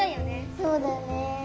そうだよね。